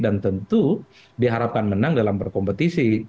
dan tentu diharapkan menang dalam berkompetisi